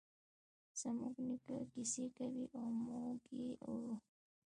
زموږ نیکه کیسې کوی او موږ یی اورو